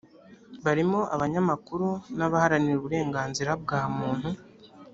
barimo abanyamakuru n abaharanira uburenganzira bwa muntu